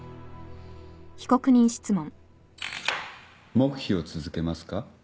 黙秘を続けますか。